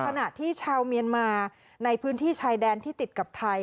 ขณะที่ชาวเมียนมาในพื้นที่ชายแดนที่ติดกับไทย